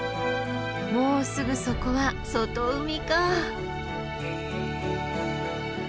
もうすぐそこは外海かあ。